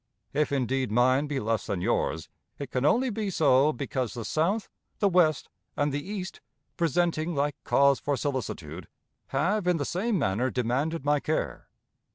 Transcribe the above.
If indeed mine be less than yours, it can only be so because the south, the west, and the east, presenting like cause for solicitude, have in the same manner demanded my care.